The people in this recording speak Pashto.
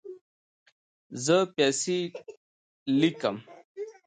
زه پیسې لیکم